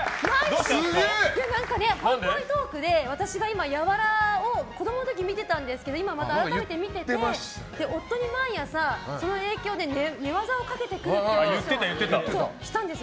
ぽいぽいトークで私が今「ＹＡＷＡＲＡ」を子供の時に見てたんですけど改めて見てて夫に毎朝その影響で寝技をかけてくるって話をしたんです。